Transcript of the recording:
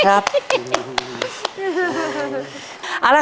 ๑หมื่น